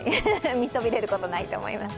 見そびれることがないと思います。